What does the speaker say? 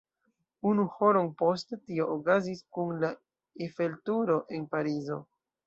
Unu horon poste tio okazis kun la Eiffel-Turo en Parizo.